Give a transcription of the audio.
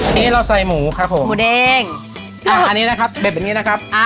ครับผมอ่านี้นะครับเบ็บแบบนี้นะครับอ่า